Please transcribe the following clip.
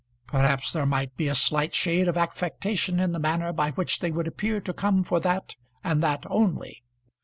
Perhaps there might be a slight shade of affectation in the manner by which they would appear to come for that and that only.